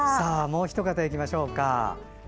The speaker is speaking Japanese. もうひと方いきましょうか。